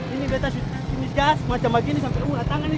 ini kita sini jas macam begini sampai urat tangan nih